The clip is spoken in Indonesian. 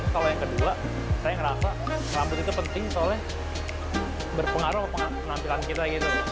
kalau yang kedua saya ngerasa rambut itu penting soalnya berpengaruh penampilan kita gitu